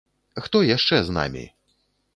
Хто яшчэ з намі?